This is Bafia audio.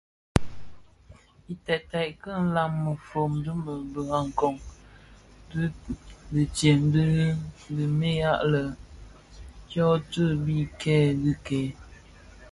Iteeted ki nlaň mefom di Birakoň ditsem dyo dhemiya lè dyotibikèè dhikèè.